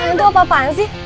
itu apa apaan sih